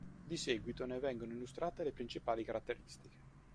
Di seguito ne vengono illustrate le principali caratteristiche.